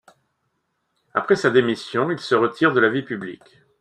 Après sa démission il se retire de la vie publique.